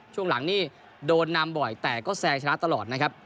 ช่วงหลังนี่โดนนำบ่อยแต่ก็แซงชนะตลอดนะครับ